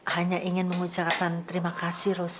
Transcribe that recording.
hanya ingin mengucapkan terima kasih kepada ibu